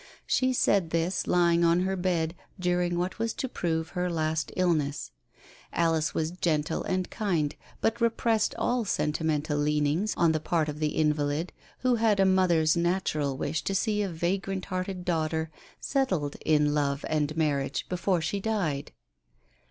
She said this lying on her bed during what was to prove her last illness. Alice was gentle and kind, but repressed all sentimental leanings on the part of the invalid, who had a mother's natural wish to see a vagrant hearted daughter settled in love and marriage before she died.